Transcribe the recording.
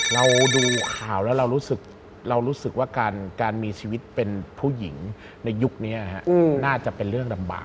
เราดูข่าวแล้วเรารู้สึกว่าการมีชีวิตเป็นผู้หญิงในยุคนี้น่าจะเป็นเรื่องลำบาก